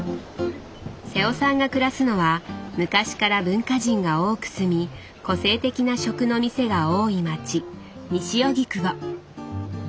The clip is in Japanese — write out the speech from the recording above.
瀬尾さんが暮らすのは昔から文化人が多く住み個性的な食の店が多い街西荻窪。